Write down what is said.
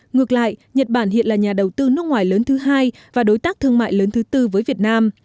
ngược lại nhật bản hiện là nhà đầu tư nước ngoài lớn thứ hai và đối tác thương mại lớn thứ tư với việt nam